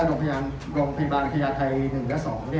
โรงพยาบาลไพยาทัย๑และ๒